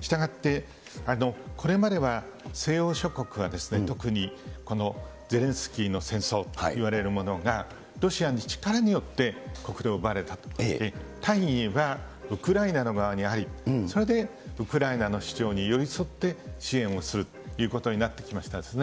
したがってこれまでは諸国は特にこのゼレンスキーの戦争といわれるものが、ロシアの力によって国土を奪われた、はウクライナの側に入る、それでウクライナの主張に寄り添って支援をするということになってきましたですね。